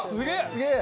すげえ！